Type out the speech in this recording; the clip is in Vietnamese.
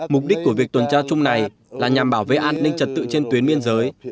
mục đích của việc tuần tra chung này là nhằm bảo vệ an ninh trật tự trên tuyến biên giới